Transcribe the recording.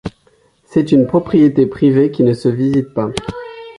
C’est une propriété privée qui ne se visite pas.